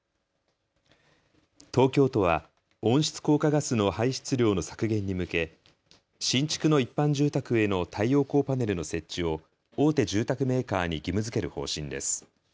東京都は温室効果ガスの排出量の削減に向け新築の一般住宅への太陽光パネルの設置を大手住宅メーカーに義務づける方針です。